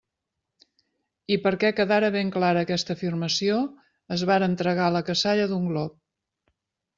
I perquè quedara ben clara aquesta afirmació, es varen tragar la cassalla d'un glop.